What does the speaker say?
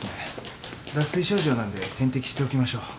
脱水症状なんで点滴しておきましょう。